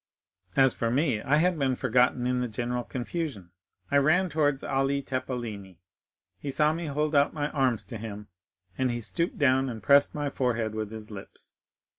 "As for me, I had been forgotten in the general confusion; I ran toward Ali Tepelini; he saw me hold out my arms to him, and he stooped down and pressed my forehead with his lips.